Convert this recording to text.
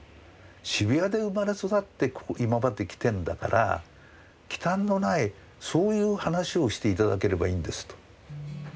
「渋谷で生まれ育って今まで来てんだからきたんのないそういう話をして頂ければいいんです」と。